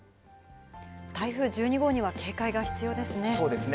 台風１２号には警戒が必要でそうですね。